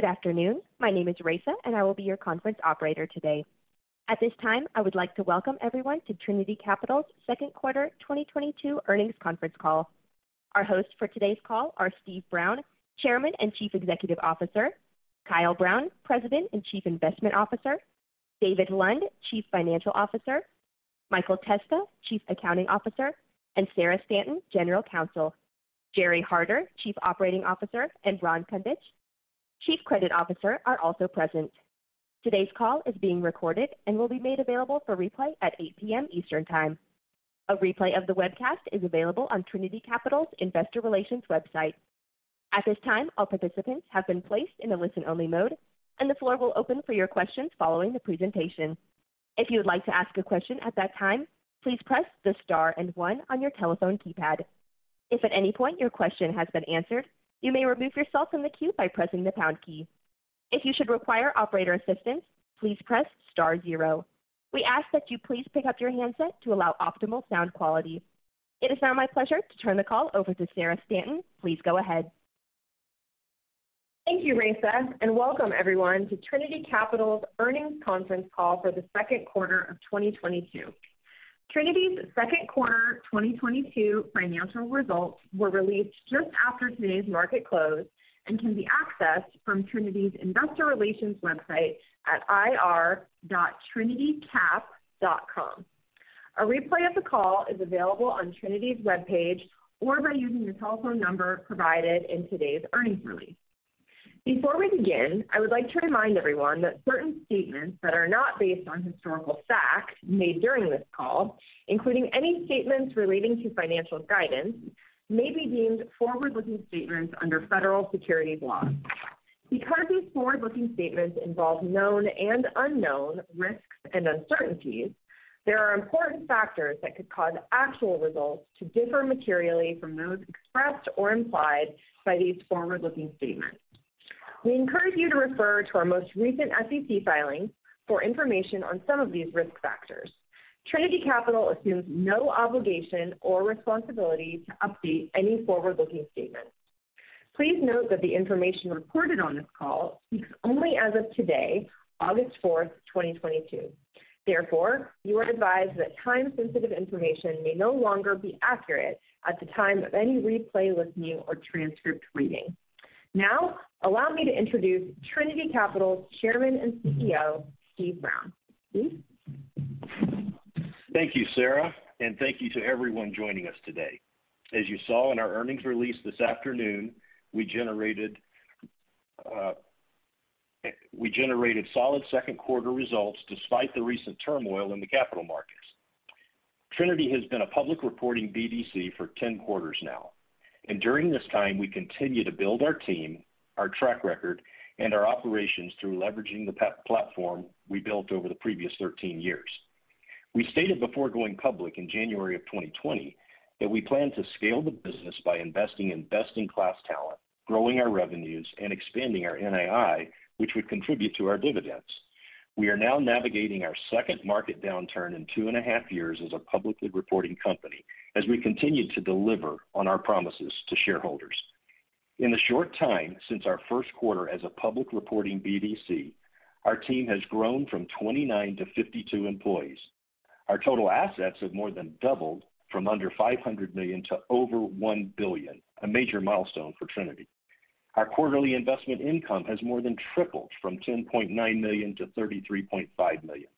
Good afternoon. My name is Raisa, and I will be your conference operator today. At this time, I would like to welcome everyone to Trinity Capital's second quarter 2022 earnings conference call. Our hosts for today's call are Steve Brown, Chairman and Chief Executive Officer, Kyle Brown, President and Chief Investment Officer, David Lund, Chief Financial Officer, Michael Testa, Chief Accounting Officer, and Sarah Stanton, General Counsel. Gerry Harder, Chief Operating Officer, and Ron Kundich, Chief Credit Officer, are also present. Today's call is being recorded and will be made available for replay at 8:00 P.M. Eastern Time. A replay of the webcast is available on Trinity Capital's Investor Relations website. At this time, all participants have been placed in a listen-only mode, and the floor will open for your questions following the presentation. If you would like to ask a question at that time, please press the star and one on your telephone keypad. If at any point your question has been answered, you may remove yourself from the queue by pressing the pound key. If you should require operator assistance, please press star zero. We ask that you please pick up your handset to allow optimal sound quality. It is now my pleasure to turn the call over to Sarah Stanton. Please go ahead. Thank you, Raisa, and welcome everyone to Trinity Capital's earnings conference call for the second quarter of 2022. Trinity's second quarter 2022 financial results were released just after today's market close and can be accessed from Trinity's investor relations website at ir.trinitycap.com. A replay of the call is available on Trinity's web page or by using the telephone number provided in today's earnings release. Before we begin, I would like to remind everyone that certain statements that are not based on historical facts made during this call, including any statements relating to financial guidance, may be deemed forward-looking statements under federal securities laws. Because these forward-looking statements involve known and unknown risks and uncertainties, there are important factors that could cause actual results to differ materially from those expressed or implied by these forward-looking statements. We encourage you to refer to our most recent SEC filings for information on some of these risk factors. Trinity Capital assumes no obligation or responsibility to update any forward-looking statements. Please note that the information reported on this call speaks only as of today, August 4, 2022. Therefore, you are advised that time-sensitive information may no longer be accurate at the time of any replay listening or transcript reading. Now, allow me to introduce Trinity Capital's Chairman and CEO, Steve Brown. Steve? Thank you, Sarah, and thank you to everyone joining us today. As you saw in our earnings release this afternoon, we generated solid second quarter results despite the recent turmoil in the capital markets. Trinity has been a public reporting BDC for 10 quarters now, and during this time, we continue to build our team, our track record, and our operations through leveraging the platform we built over the previous 13 years. We stated before going public in January of 2020 that we plan to scale the business by investing in best-in-class talent, growing our revenues and expanding our NII, which would contribute to our dividends. We are now navigating our second market downturn in 2.5 years as a publicly reporting company as we continue to deliver on our promises to shareholders. In the short time since our first quarter as a public reporting BDC, our team has grown from 29 to 52 employees. Our total assets have more than doubled from under $500 million to over $1 billion, a major milestone for Trinity. Our quarterly investment income has more than tripled from $10.9 million to $33.5 million.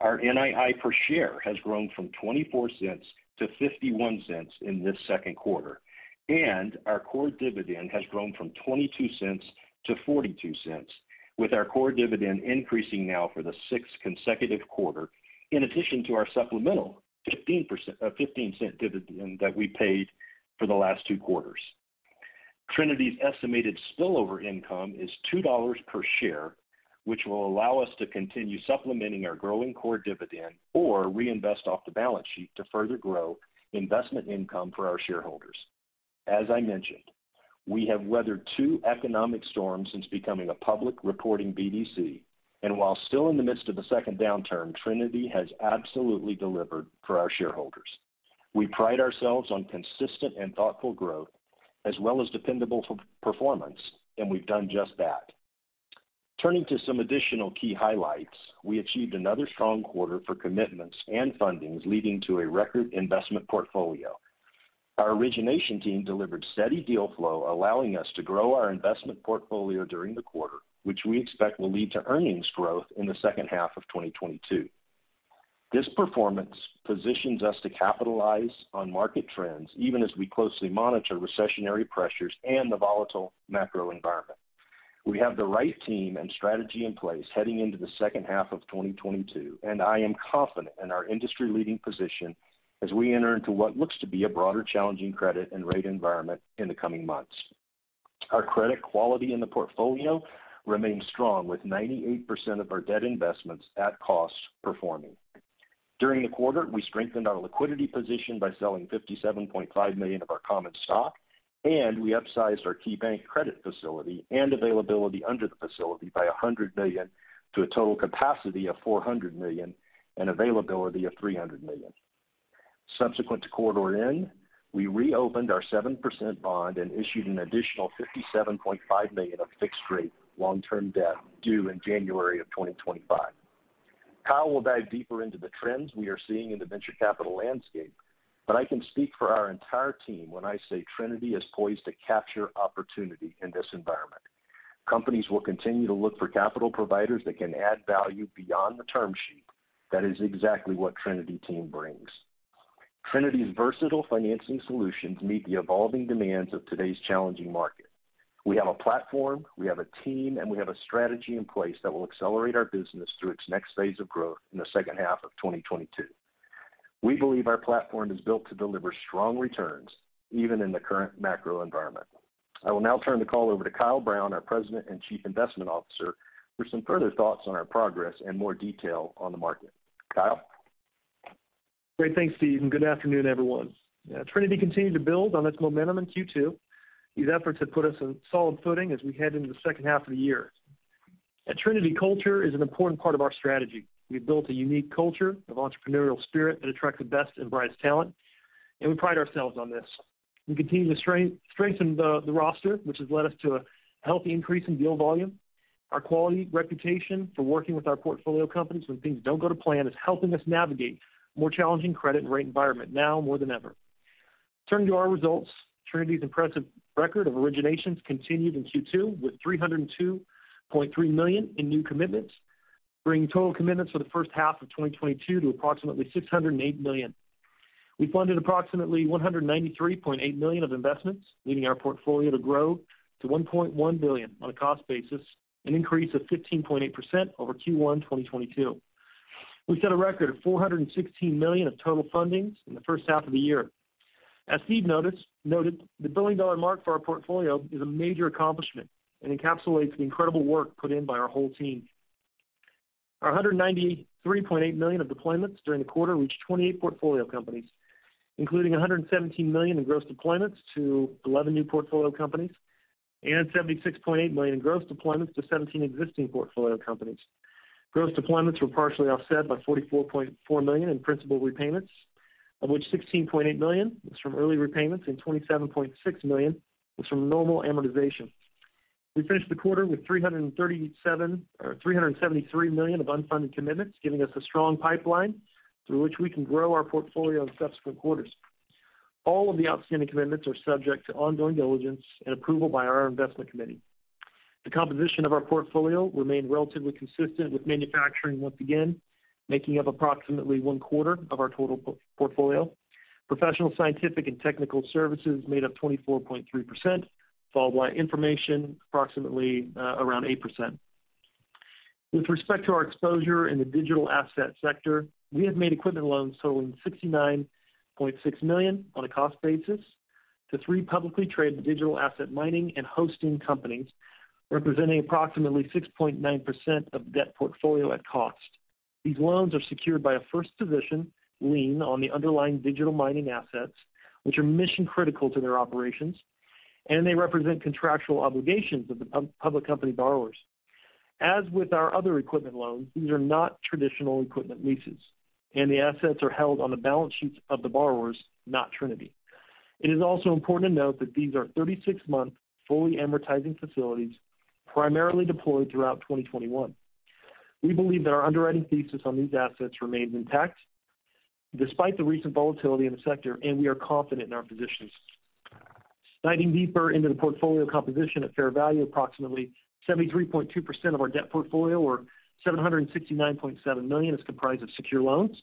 Our NII per share has grown from $0.24 to $0.51 in this second quarter, and our core dividend has grown from $0.22 to $0.42, with our core dividend increasing now for the sixth consecutive quarter in addition to our supplemental $0.15 dividend that we paid for the last two quarters. Trinity's estimated spillover income is $2 per share, which will allow us to continue supplementing our growing core dividend or reinvest off the balance sheet to further grow investment income for our shareholders. As I mentioned, we have weathered two economic storms since becoming a public reporting BDC, and while still in the midst of a second downturn, Trinity has absolutely delivered for our shareholders. We pride ourselves on consistent and thoughtful growth as well as dependable performance, and we've done just that. Turning to some additional key highlights, we achieved another strong quarter for commitments and fundings, leading to a record investment portfolio. Our origination team delivered steady deal flow, allowing us to grow our investment portfolio during the quarter, which we expect will lead to earnings growth in the second half of 2022. This performance positions us to capitalize on market trends even as we closely monitor recessionary pressures and the volatile macro environment. We have the right team and strategy in place heading into the second half of 2022, and I am confident in our industry-leading position as we enter into what looks to be a broader challenging credit and rate environment in the coming months. Our credit quality in the portfolio remains strong with 98% of our debt investments at costs performing. During the quarter, we strengthened our liquidity position by selling $57.5 million of our common stock, and we upsized our KeyBank Credit Facility and availability under the facility by $100 million to a total capacity of $400 million and availability of $300 million. Subsequent to quarter end, we reopened our 7% bond and issued an additional $57.5 million of fixed rate long-term debt due in January of 2025. Kyle will dive deeper into the trends we are seeing in the venture capital landscape, but I can speak for our entire team when I say Trinity is poised to capture opportunity in this environment. Companies will continue to look for capital providers that can add value beyond the term sheet. That is exactly what Trinity team brings. Trinity's versatile financing solutions meet the evolving demands of today's challenging market. We have a platform, we have a team, and we have a strategy in place that will accelerate our business through its next phase of growth in the second half of 2022. We believe our platform is built to deliver strong returns even in the current macro environment. I will now turn the call over to Kyle Brown, our President and Chief Investment Officer, for some further thoughts on our progress and more detail on the market. Kyle? Great. Thanks, Steve, and good afternoon, everyone. Trinity continued to build on its momentum in Q2. These efforts have put us in solid footing as we head into the second half of the year. At Trinity, culture is an important part of our strategy. We've built a unique culture of entrepreneurial spirit that attracts the best and brightest talent, and we pride ourselves on this. We continue to strengthen the roster, which has led us to a healthy increase in deal volume. Our quality reputation for working with our portfolio companies when things don't go to plan is helping us navigate more challenging credit and rate environment now more than ever. Turning to our results, Trinity's impressive record of originations continued in Q2 with $302.3 million in new commitments, bringing total commitments for the first half of 2022 to approximately $608 million. We funded approximately $193.8 million of investments, leading our portfolio to grow to $1.1 billion on a cost basis, an increase of 15.8% over Q1, 2022. We set a record of $416 million of total fundings in the first half of the year. As Steve noted, the billion-dollar mark for our portfolio is a major accomplishment and encapsulates the incredible work put in by our whole team. $193.8 million of deployments during the quarter reached 28 portfolio companies, including $117 million in gross deployments to 11 new portfolio companies, and $76.8 million in gross deployments to 17 existing portfolio companies. Gross deployments were partially offset by $44.4 million in principal repayments, of which $16.8 million was from early repayments and $27.6 million was from normal amortization. We finished the quarter with $337 million or $373 million of unfunded commitments, giving us a strong pipeline through which we can grow our portfolio in subsequent quarters. All of the outstanding commitments are subject to ongoing diligence and approval by our investment committee. The composition of our portfolio remained relatively consistent, with manufacturing once again making up approximately one quarter of our total portfolio. Professional, scientific, and technical services made up 24.3%, followed by information approximately around 8%. With respect to our exposure in the digital asset sector, we have made equipment loans totaling $69.6 million on a cost basis to three publicly traded digital asset mining and hosting companies, representing approximately 6.9% of debt portfolio at cost. These loans are secured by a first position lien on the underlying digital mining assets, which are mission-critical to their operations, and they represent contractual obligations of the public company borrowers. As with our other equipment loans, these are not traditional equipment leases, and the assets are held on the balance sheets of the borrowers, not Trinity. It is also important to note that these are 36-month fully amortizing facilities primarily deployed throughout 2021. We believe that our underwriting thesis on these assets remains intact despite the recent volatility in the sector, and we are confident in our positions. Diving deeper into the portfolio composition at fair value, approximately 73.2% of our debt portfolio or $769.7 million is comprised of secure loans,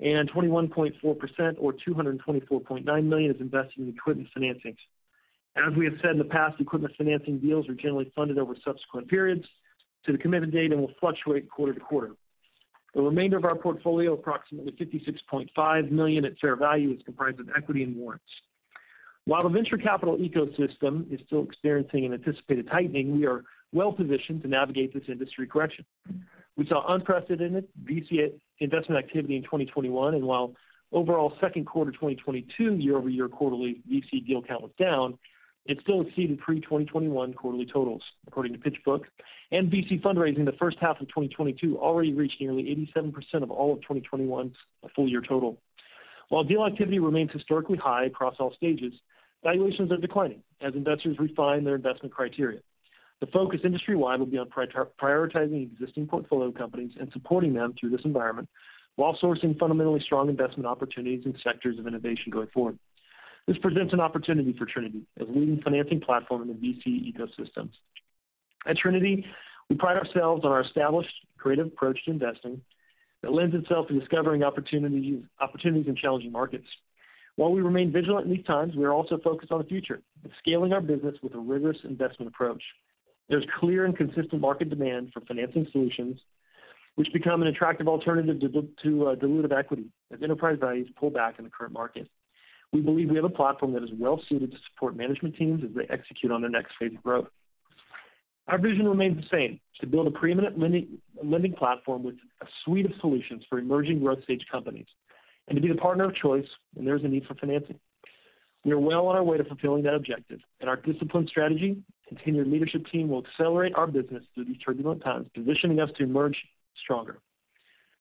and 21.4% or $224.9 million is invested in equipment financings. As we have said in the past, equipment financing deals are generally funded over subsequent periods to the commitment date and will fluctuate quarter to quarter. The remainder of our portfolio, approximately $56.5 million at fair value, is comprised of equity and warrants. While the venture capital ecosystem is still experiencing an anticipated tightening, we are well-positioned to navigate this industry correction. We saw unprecedented VC investment activity in 2021, and while overall second quarter 2022 year-over-year quarterly VC deal count was down, it still exceeded pre-2021 quarterly totals according to PitchBook. VC fundraising in the first half of 2022 already reached nearly 87% of all of 2021's full year total. While deal activity remains historically high across all stages, valuations are declining as investors refine their investment criteria. The focus industry-wide will be on prioritizing existing portfolio companies and supporting them through this environment while sourcing fundamentally strong investment opportunities in sectors of innovation going forward. This presents an opportunity for Trinity as a leading financing platform in the VC ecosystems. At Trinity, we pride ourselves on our established creative approach to investing that lends itself to discovering opportunities in challenging markets. While we remain vigilant in these times, we are also focused on the future and scaling our business with a rigorous investment approach. There's clear and consistent market demand for financing solutions, which become an attractive alternative to dilutive equity as enterprise values pull back in the current market. We believe we have a platform that is well-suited to support management teams as they execute on their next phase of growth. Our vision remains the same, to build a preeminent lending platform with a suite of solutions for emerging growth stage companies, and to be the partner of choice when there's a need for financing. We are well on our way to fulfilling that objective, and our disciplined strategy, continued leadership team will accelerate our business through these turbulent times, positioning us to emerge stronger.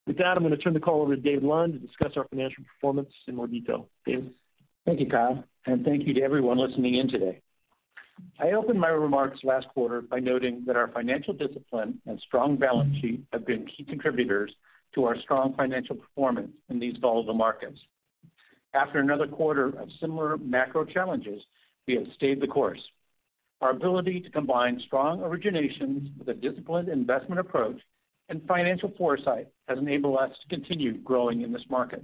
With that, I'm gonna turn the call over to Dave Lund to discuss our financial performance in more detail. Dave? Thank you, Kyle, and thank you to everyone listening in today. I opened my remarks last quarter by noting that our financial discipline and strong balance sheet have been key contributors to our strong financial performance in these volatile markets. After another quarter of similar macro challenges, we have stayed the course. Our ability to combine strong originations with a disciplined investment approach and financial foresight has enabled us to continue growing in this market.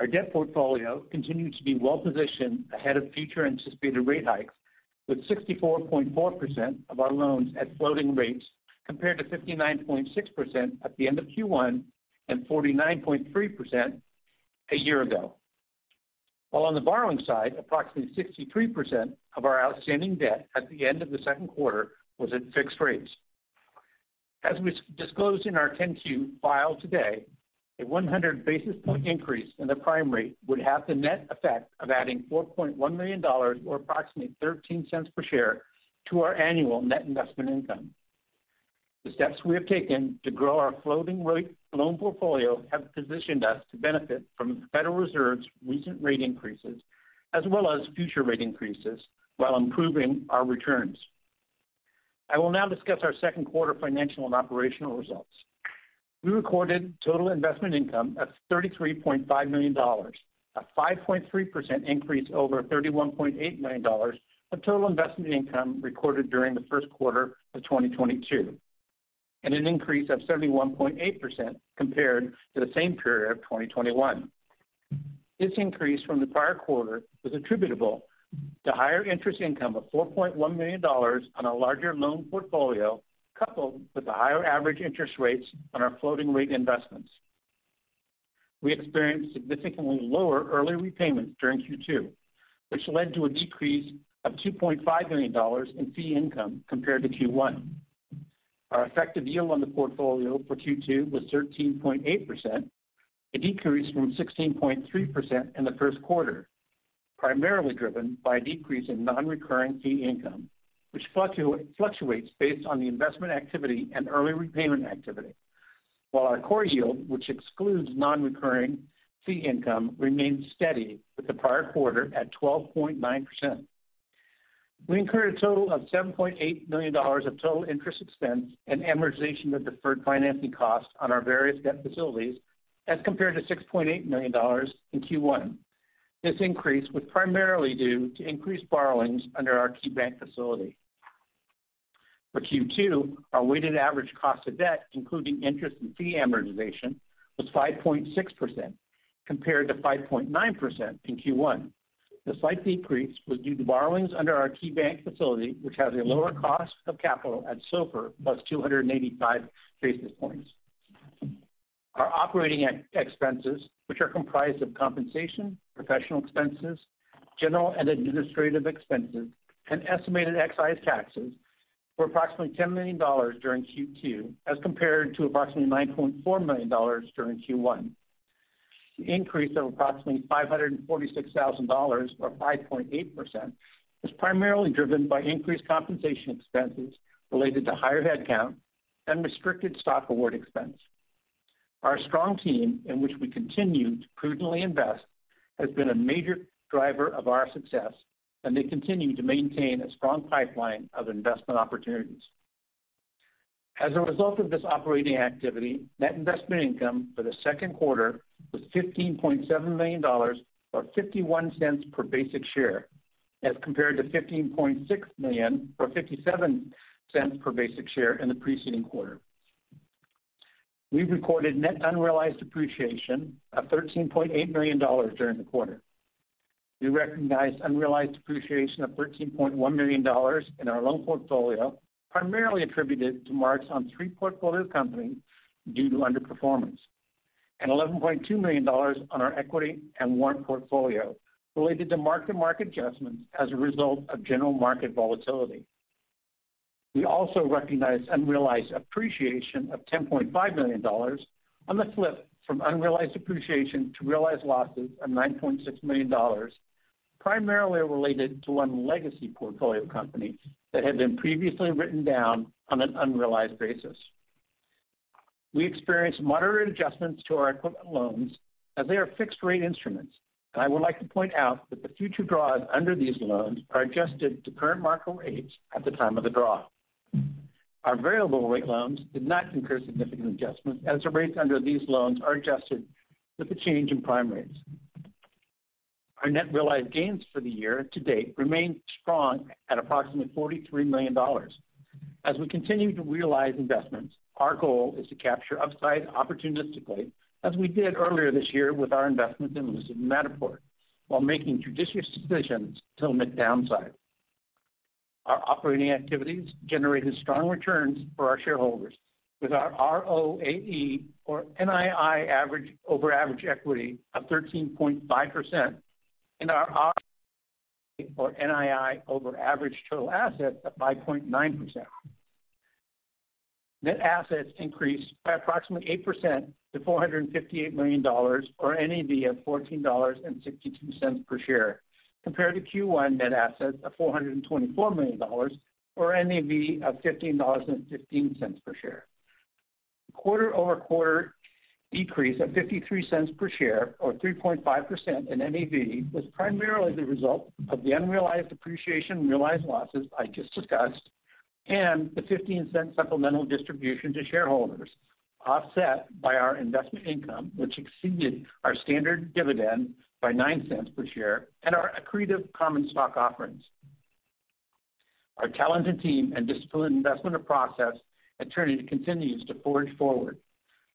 Our debt portfolio continues to be well-positioned ahead of future anticipated rate hikes, with 64.4% of our loans at floating rates, compared to 59.6% at the end of Q1 and 49.3% a year ago. While on the borrowing side, approximately 63% of our outstanding debt at the end of the second quarter was at fixed rates. As we disclosed in our 10-Q filed today, a 100 basis point increase in the prime rate would have the net effect of adding $4.1 million or approximately $0.13 per share to our annual net investment income. The steps we have taken to grow our floating rate loan portfolio have positioned us to benefit from the Federal Reserve's recent rate increases as well as future rate increases while improving our returns. I will now discuss our second quarter financial and operational results. We recorded total investment income of $33.5 million, a 5.3% increase over $31.8 million of total investment income recorded during the first quarter of 2022, and an increase of 71.8% compared to the same period of 2021. This increase from the prior quarter was attributable to higher interest income of $4.1 million on a larger loan portfolio, coupled with the higher average interest rates on our floating rate investments. We experienced significantly lower early repayments during Q2, which led to a decrease of $2.5 million in fee income compared to Q1. Our effective yield on the portfolio for Q2 was 13.8%, a decrease from 16.3% in the first quarter, primarily driven by a decrease in non-recurring fee income, which fluctuates based on the investment activity and early repayment activity. While our core yield, which excludes non-recurring fee income, remained steady with the prior quarter at 12.9%. We incurred a total of $7.8 million of total interest expense and amortization of deferred financing costs on our various debt facilities as compared to $6.8 million in Q1. This increase was primarily due to increased borrowings under our KeyBank facility. For Q2, our weighted average cost of debt, including interest and fee amortization, was 5.6% compared to 5.9% in Q1. The slight decrease was due to borrowings under our KeyBank facility, which has a lower cost of capital at SOFR plus 285 basis points. Our operating expenses, which are comprised of compensation, professional expenses, general and administrative expenses, and estimated excise taxes, were approximately $10 million during Q2 as compared to approximately $9.4 million during Q1. The increase of approximately $546,000 or 5.8% was primarily driven by increased compensation expenses related to higher headcount and restricted stock award expense. Our strong team, in which we continue to prudently invest, has been a major driver of our success, and they continue to maintain a strong pipeline of investment opportunities. As a result of this operating activity, net investment income for the second quarter was $15.7 million or $0.51 per basic share as compared to $15.6 million or $0.57 per basic share in the preceding quarter. We recorded net unrealized appreciation of $13.8 million during the quarter. We recognized unrealized appreciation of $13.1 million in our loan portfolio, primarily attributed to marks on three portfolio companies due to underperformance, and $11.2 million on our equity and warrant portfolio related to mark-to-market adjustments as a result of general market volatility. We also recognized unrealized appreciation of $10.5 million on the flip from unrealized appreciation to realized losses of $9.6 million, primarily related to one legacy portfolio company that had been previously written down on an unrealized basis. We experienced moderate adjustments to our equipment loans as they are fixed-rate instruments, and I would like to point out that the future draws under these loans are adjusted to current market rates at the time of the draw. Our variable rate loans did not incur significant adjustments, as the rates under these loans are adjusted with the change in prime rates. Our net realized gains for the year to date remain strong at approximately $43 million. As we continue to realize investments, our goal is to capture upside opportunistically, as we did earlier this year with our investment in Lucid and Matterport, while making judicious decisions to limit downside. Our operating activities generated strong returns for our shareholders with our ROAE, or NII over average equity, of 13.5% and our ROA, or NII over average total assets, at 5.9%. Net assets increased by approximately 8% to $458 million or NAV of $14.62 per share compared to Q1 net assets of $424 million or NAV of $15.15 per share. Quarter-over-quarter decrease of $0.53 per share or 3.5% in NAV was primarily the result of the unrealized depreciation and realized losses I just discussed and the $0.15 supplemental distribution to shareholders, offset by our investment income, which exceeded our standard dividend by $0.09 per share and our accretive common stock offerings. Our talented team and disciplined investment process at Trinity continues to forge forward,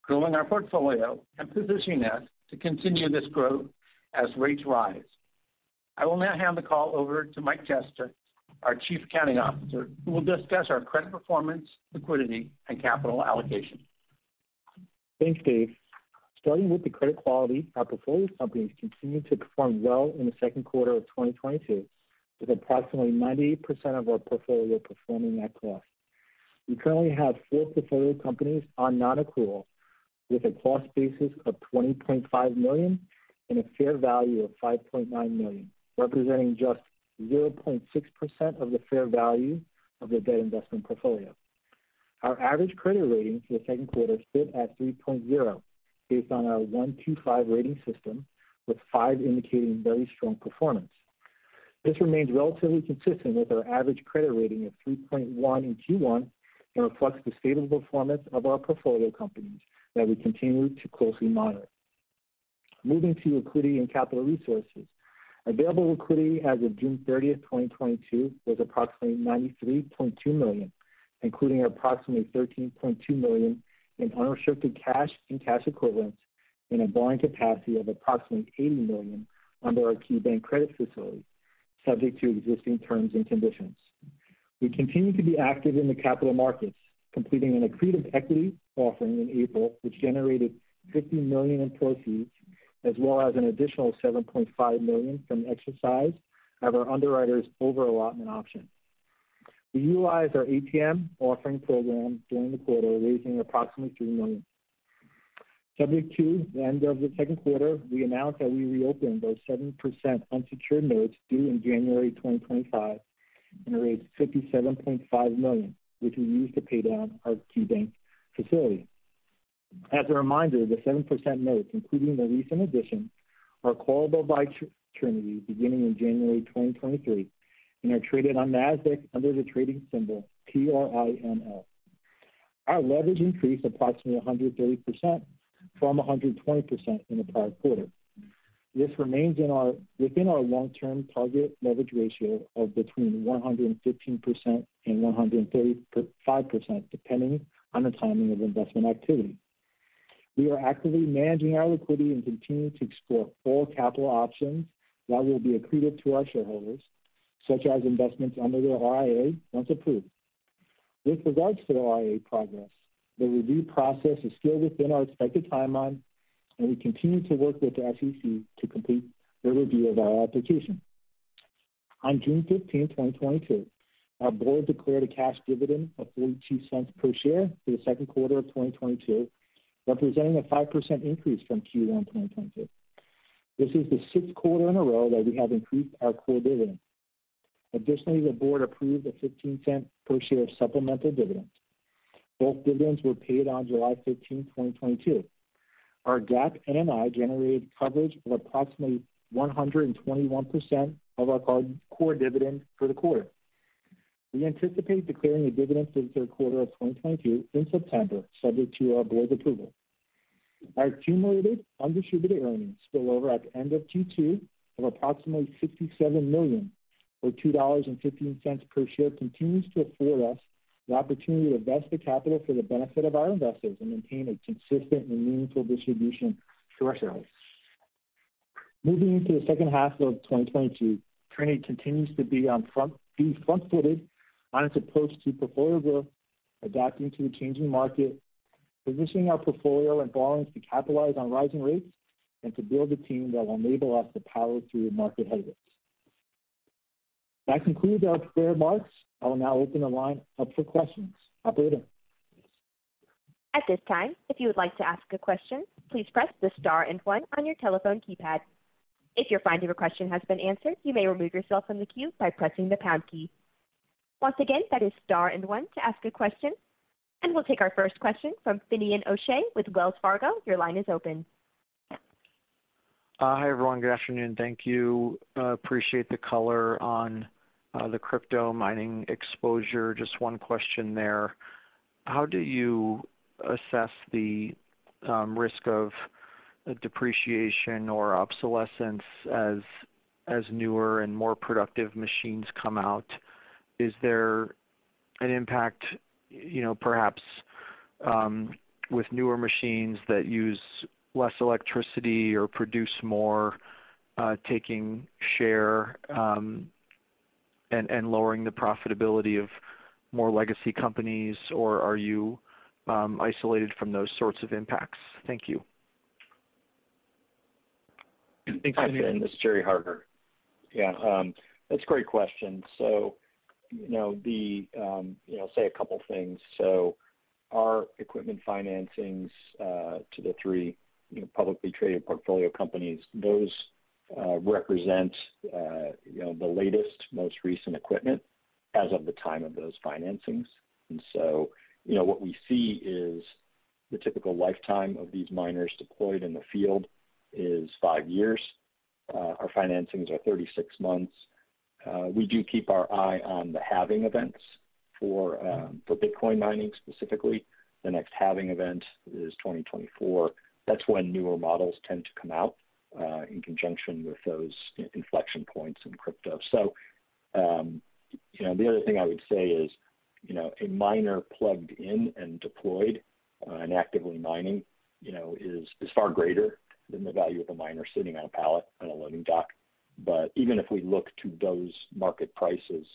growing our portfolio and positioning us to continue this growth as rates rise. I will now hand the call over to Mike Testa, our Chief Accounting Officer, who will discuss our credit performance, liquidity, and capital allocation. Thanks, Dave. Starting with the credit quality, our portfolio companies continued to perform well in the second quarter of 2022, with approximately 98% of our portfolio performing at plus. We currently have four portfolio companies on non-accrual with a cost basis of $20.5 million and a fair value of $5.9 million, representing just 0.6% of the fair value of the debt investment portfolio. Our average credit rating for the second quarter stood at 3.0 based on our one to five rating system, with five indicating very strong performance. This remains relatively consistent with our average credit rating of 3.1 in Q1 and reflects the stable performance of our portfolio companies that we continue to closely monitor. Moving to liquidity and capital resources. Available liquidity as of June 30th, 2022 was approximately $93.2 million, including approximately $13.2 million in unrestricted cash and cash equivalents and a borrowing capacity of approximately $80 million under our KeyBank Credit Facility, subject to existing terms and conditions. We continue to be active in the capital markets, completing an accretive equity offering in April, which generated $50 million in proceeds, as well as an additional $7.5 million from exercise of our underwriter's over-allotment option. We utilized our ATM offering program during the quarter, raising approximately $3 million. Subsequent to the end of the second quarter, we announced that we reopened our 7% unsecured notes due January 2025 and raised $57.5 million, which we used to pay down our KeyBank facility. As a reminder, the 7% notes, including the recent addition, are callable by Trinity beginning in January 2023 and are traded on Nasdaq under the trading symbol TRINL. Our leverage increased approximately 130% from 120% in the prior quarter. This remains within our long-term target leverage ratio of between 115% and 135%, depending on the timing of investment activity. We are actively managing our liquidity and continue to explore all capital options that will be accretive to our shareholders, such as investments under the RIA, once approved. With regards to the RIA progress, the review process is still within our expected timeline, and we continue to work with the SEC to complete their review of our application. On June 15th, 2022, our board declared a cash dividend of $0.42 per share for the second quarter of 2022, representing a 5% increase from Q1 2022. This is the sixth quarter in a row that we have increased our core dividend. Additionally, the board approved a $0.15 per share supplemental dividend. Both dividends were paid on July 15th, 2022. Our GAAP NII generated coverage of approximately 121% of our core dividend for the quarter. We anticipate declaring a dividend for the third quarter of 2022 in September, subject to our board's approval. Our accumulated undistributed earnings spill over at the end of Q2 of approximately $67 million or $2.15 per share continues to afford us the opportunity to invest the capital for the benefit of our investors and maintain a consistent and meaningful distribution to our shareholders. Moving into the second half of 2022, Trinity continues to be front-footed on its approach to portfolio growth, adapting to a changing market, positioning our portfolio and borrowings to capitalize on rising rates, and to build a team that will enable us to power through market headwinds. That concludes our prepared remarks. I will now open the line up for questions. Operator? At this time, if you would like to ask a question, please press the star and one on your telephone keypad. If you're finding your question has been answered, you may remove yourself from the queue by pressing the pound key. Once again, that is star and one to ask a question. We'll take our first question from Finian O'Shea with Wells Fargo. Your line is open. Hi, everyone. Good afternoon. Thank you. Appreciate the color on the crypto mining exposure. Just one question there. How do you assess the risk of depreciation or obsolescence as newer and more productive machines come out? Is there an impact, you know, perhaps, with newer machines that use less electricity or produce more, taking share, and lowering the profitability of more legacy companies? Or are you isolated from those sorts of impacts? Thank you. Hi, Finn, this is Gerry Harder. Yeah, that's a great question. So, you know, you know, say a couple things. Our equipment financings to the three, you know, publicly traded portfolio companies, those represent, you know, the latest, most recent equipment as of the time of those financings. You know, what we see is the typical lifetime of these miners deployed in the field is five years. Our financings are 36 months. We do keep our eye on the halving events for Bitcoin mining specifically. The next halving event is 2024. That's when newer models tend to come out in conjunction with those inflection points in crypto. You know, the other thing I would say is, you know, a miner plugged in and deployed, and actively mining, you know, is far greater than the value of a miner sitting on a pallet on a loading dock. Even if we look to those market prices,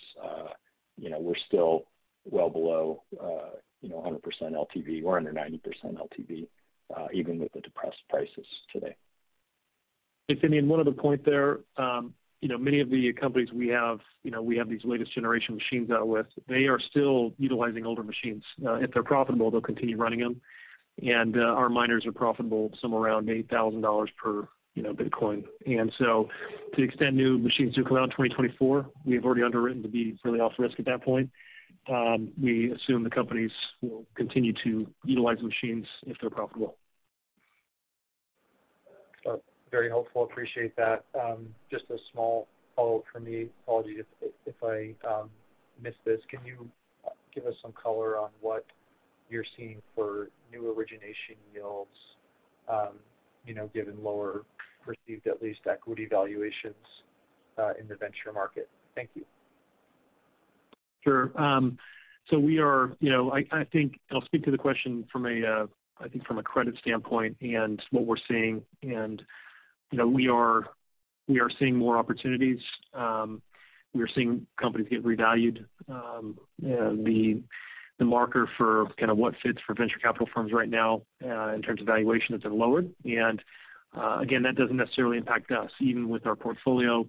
you know, we're still well below, you know, 100% LTV. We're under 90% LTV, even with the depressed prices today. Thanks, Finn. One other point there, you know, many of the companies we have, you know, we have these latest generation machines out with, they are still utilizing older machines. If they're profitable, they'll continue running them. Our miners are profitable somewhere around $8,000 per, you know, Bitcoin. To the extent new machines do come out in 2024, we have already underwritten to be fairly off risk at that point. We assume the companies will continue to utilize the machines if they're profitable. Very helpful, appreciate that. Just a small follow-up from me. Apologies if I missed this. Can you give us some color on what you're seeing for new origination yields, you know, given lower perceived, at least, equity valuations, in the venture market? Thank you. Sure. I think I'll speak to the question from a credit standpoint and what we're seeing. We are seeing more opportunities. We are seeing companies get revalued. The market for kind of what fits for venture capital firms right now in terms of valuation has been lowered. Again, that doesn't necessarily impact us. Even with our portfolio,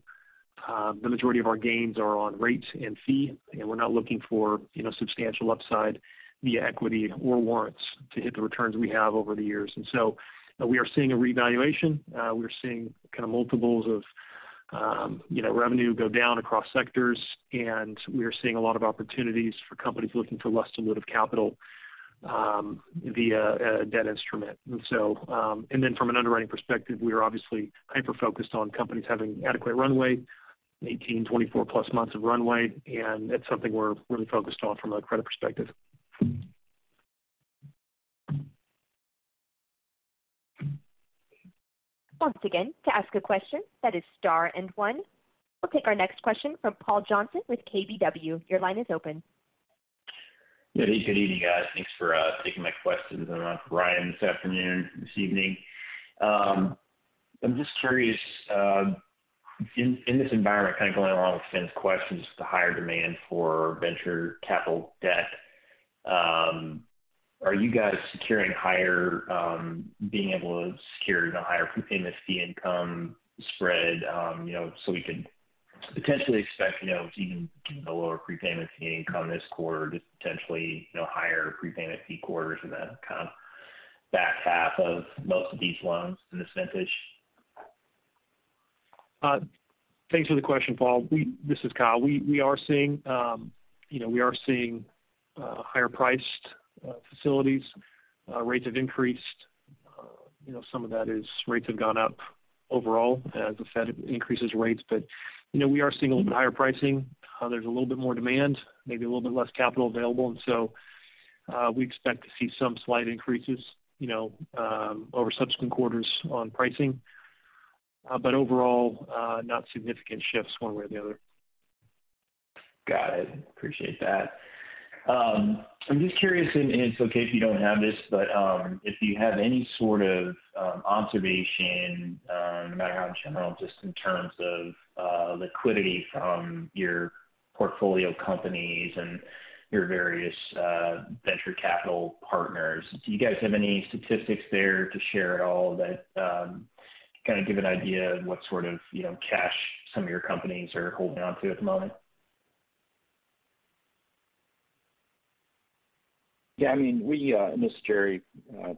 the majority of our gains are on rates and fees, and we're not looking for, you know, substantial upside via equity or warrants to hit the returns we have over the years. We are seeing a revaluation. We are seeing kind of multiples of, you know, revenue go down across sectors, and we are seeing a lot of opportunities for companies looking for less dilutive capital, via a debt instrument. From an underwriting perspective, we are obviously hyper-focused on companies having adequate runway, 18, 24+ months of runway, and that's something we're really focused on from a credit perspective. Once again, to ask a question, that is star and one. We'll take our next question from Paul Johnson with KBW. Your line is open. Yeah. Good evening, guys. Thanks for taking my questions. For [right at] this afternoon, this evening. I'm just curious, in this environment, kind of going along with Finn's question, just the higher demand for venture capital debt, are you guys securing higher, being able to secure higher prepayment fee income spread? You know, so we could potentially expect, you know, even a lower prepayment fee income this quarter, just potentially, you know, higher prepayment fee quarters in the kind of back half of most of these loans in a sense-ish. Thanks for the question, Paul. This is Kyle. We are seeing higher priced facilities. Rates have increased. You know, some of that is rates have gone up overall as the Fed increases rates. But you know, we are seeing a little bit higher pricing. There's a little bit more demand, maybe a little bit less capital available. We expect to see some slight increases, you know, over subsequent quarters on pricing. But overall, not significant shifts one way or the other. Got it. Appreciate that. I'm just curious, and it's okay if you don't have this, but, if you have any sort of, observation, in the background in general, just in terms of, liquidity from your portfolio companies and your various, venture capital partners. Do you guys have any statistics there to share at all that, kind of give an idea of what sort of, you know, cash some of your companies are holding onto at the moment? Yeah, I mean, this is Gerry.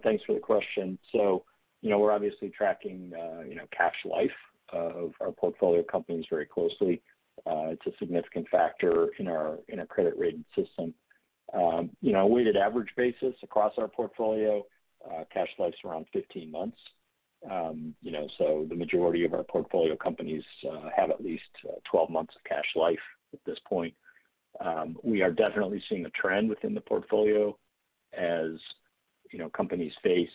Thanks for the question. You know, we're obviously tracking, you know, cash life of our portfolio companies very closely. It's a significant factor in our credit rating system. You know, weighted average basis across our portfolio, cash life's around 15 months. You know, the majority of our portfolio companies have at least 12 months of cash life at this point. We are definitely seeing a trend within the portfolio as, you know, companies face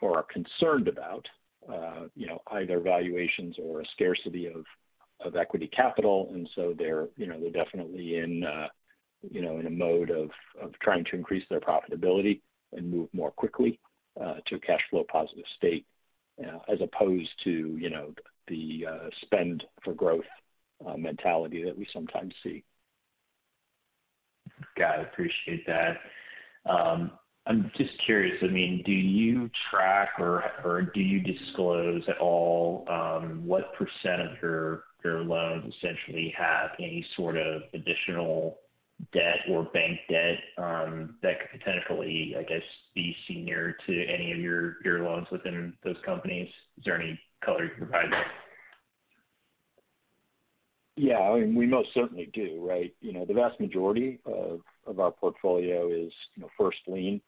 or are concerned about, you know, either valuations or a scarcity of equity capital. They're definitely in, you know, in a mode of trying to increase their profitability and move more quickly to a cash flow positive state, as opposed to, you know, the spend for growth mentality that we sometimes see. Got it. Appreciate that. I'm just curious. I mean, do you track or do you disclose at all what percent of your loans essentially have any sort of additional debt or bank debt that could potentially, I guess, be senior to any of your loans within those companies? Is there any color you can provide there? Yeah. I mean, we most certainly do, right? You know, the vast majority of our portfolio is, you know, first lien,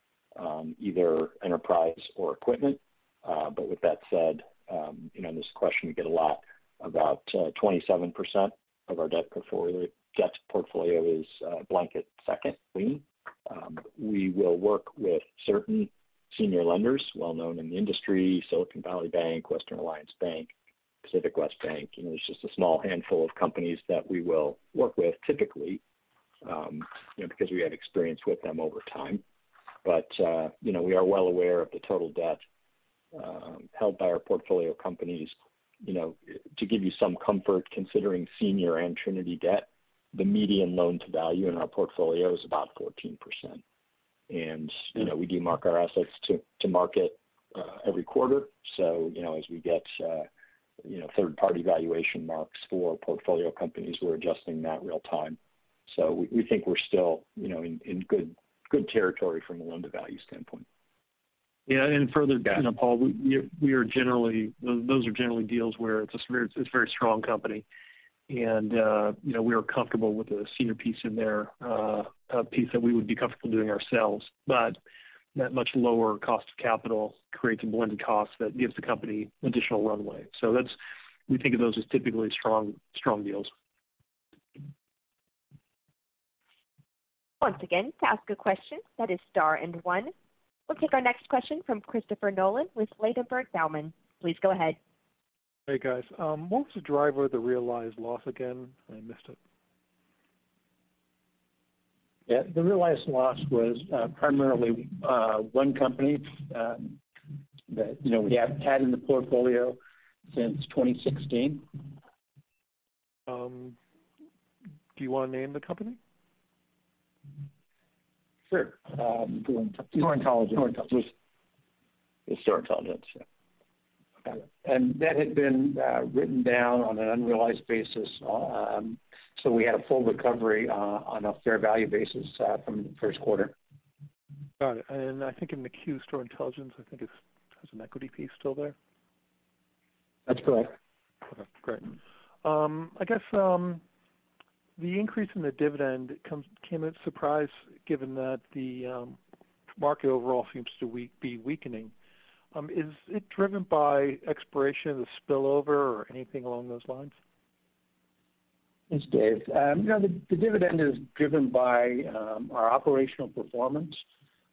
either enterprise or equipment. But with that said, you know, and this is a question we get a lot about, twenty-seven percent of our debt portfolio is blanket second lien. We will work with certain senior lenders well-known in the industry, Silicon Valley Bank, Western Alliance Bank, Pacific West Bank. You know, it's just a small handful of companies that we will work with typically, because we have experience with them over time. We are well aware of the total debt held by our portfolio companies. You know, to give you some comfort considering senior and Trinity debt, the median loan to value in our portfolio is about 14%. You know, we do mark our assets to market every quarter. You know, as we get third party valuation marks for portfolio companies, we're adjusting that real time. We think we're still, you know, in good territory from a loan to value standpoint. Yeah, further, you know, Paul, those are generally deals where it's a very strong company. You know, we are comfortable with a senior piece in there, a piece that we would be comfortable doing ourselves. That much lower cost of capital creates a blended cost that gives the company additional runway. That's. We think of those as typically strong deals. Once again, to ask a question, it's star one. We'll take our next question from Christopher Nolan with Ladenburg Thalmann. Please go ahead. Hey, guys. What was the driver of the realized loss again? I missed it. Yeah. The realized loss was primarily one company that you know we have had in the portfolio since 2016. Do you wanna name the company? Sure. Store Intelligence. Store Intelligence. It's Store Intelligence, yeah. Got it. That had been written down on an unrealized basis. We had a full recovery on a fair value basis from the first quarter. Got it. I think in the queue, Store Intelligence, I think is has an equity piece still there. That's correct. Okay, great. I guess the increase in the dividend came as a surprise given that the market overall seems to be weakening. Is it driven by expiration of the spillover or anything along those lines? It's Dave. You know, the dividend is driven by our operational performance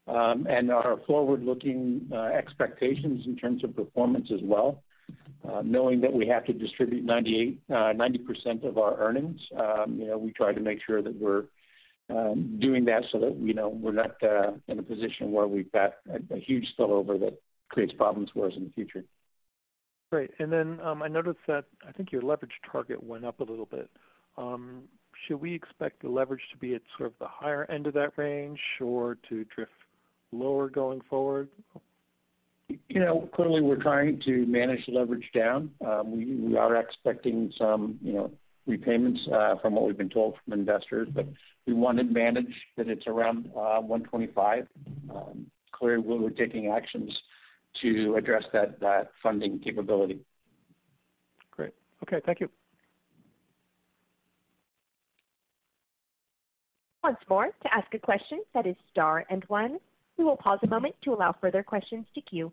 and our forward-looking expectations in terms of performance as well. Knowing that we have to distribute 90% of our earnings, you know, we try to make sure that we're doing that so that, you know, we're not in a position where we've got a huge spillover that creates problems for us in the future. Great. I noticed that I think your leverage target went up a little bit. Should we expect the leverage to be at sort of the higher end of that range or to drift lower going forward? You know, clearly we're trying to manage the leverage down. We are expecting some, you know, repayments from what we've been told from investors. We wanna manage that it's around 125. Clearly we're taking actions to address that funding capability. Great. Okay. Thank you. Once more, to ask a question, press star one. We will pause a moment to allow further questions to queue.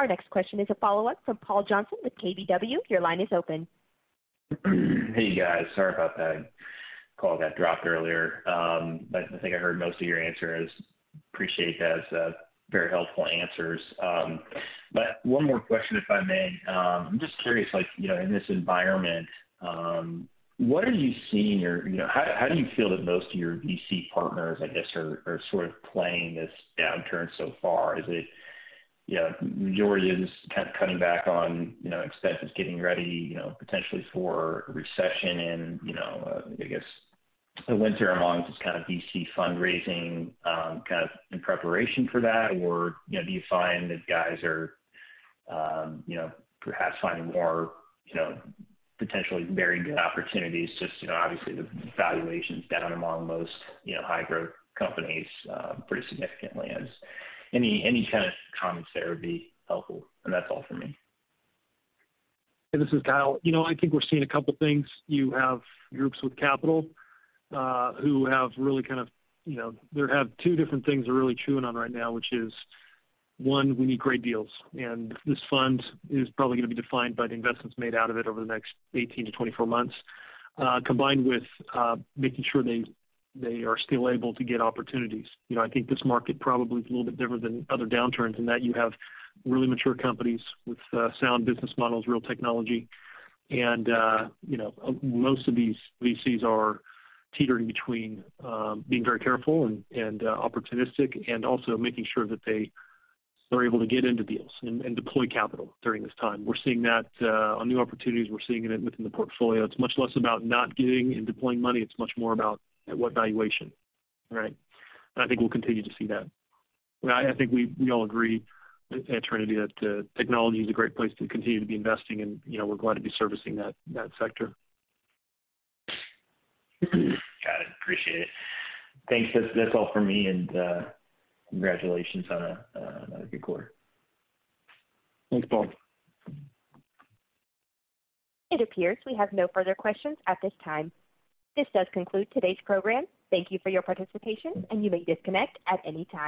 Our next question is a follow-up from Paul Johnson with KBW. Your line is open. Hey, guys. Sorry about that call that dropped earlier. I think I heard most of your answers. Appreciate those, very helpful answers. One more question, if I may. I'm just curious, like, you know, in this environment, what are you seeing or, you know, how do you feel that most of your VC partners, I guess, are sort of playing this downturn so far? Is it, you know, majority of this kind of cutting back on, you know, expenses, getting ready, you know, potentially for a recession and, you know, I guess a winter amongst this kind of VC fundraising, kind of in preparation for that? You know, do you find that guys are, you know, perhaps finding more, you know, potentially very good opportunities just, you know, obviously the valuation's down among most, you know, high growth companies, pretty significantly? Any kind of comments there would be helpful. That's all for me. This is Kyle. You know, I think we're seeing a couple things. You have groups with capital who have really kind of, you know, they have two different things they're really chewing on right now, which is, one, we need great deals. This fund is probably gonna be defined by the investments made out of it over the next 18-24 months, combined with making sure they are still able to get opportunities. You know, I think this market probably is a little bit different than other downturns in that you have really mature companies with sound business models, real technology. You know, most of these VCs are teetering between being very careful and opportunistic and also making sure that they are able to get into deals and deploy capital during this time. We're seeing that on new opportunities. We're seeing it within the portfolio. It's much less about not getting and deploying money. It's much more about at what valuation, right? I think we all agree at Trinity that technology is a great place to continue to be investing and, you know, we're glad to be servicing that sector. Got it. Appreciate it. Thanks. That's all for me and congratulations on another good quarter. Thanks, Paul. It appears we have no further questions at this time. This does conclude today's program. Thank you for your participation, and you may disconnect at any time.